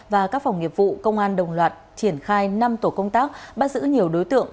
và các phòng nghiệp vụ công an đồng loạt triển khai năm tổ công tác bắt giữ nhiều đối tượng